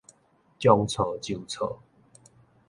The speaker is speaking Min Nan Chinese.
將錯就錯